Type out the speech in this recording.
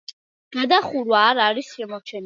გადახურვა არ არის შემორჩენილი.